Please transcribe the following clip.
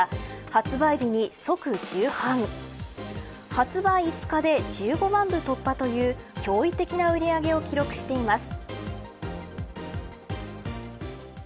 発売５日で１５万部突破という驚異的な売り上げを記録しています。